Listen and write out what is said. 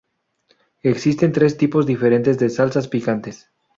Existen tres tipos diferentes de salsas picantes.